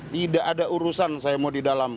tidak ada urusan saya mau di dalam